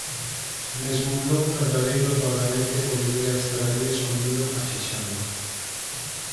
Mesmo un lobo verdadeiro doadamente podería estar alí escondido axexando.